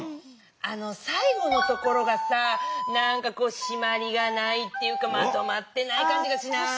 最後のところがしまりがないっていうかまとまってない感じがしない？